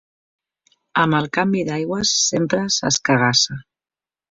Amb el canvi d'aigües sempre s'escagassa.